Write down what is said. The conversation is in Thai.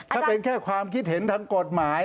ถ้าเป็นแค่ความคิดเห็นทางกฎหมาย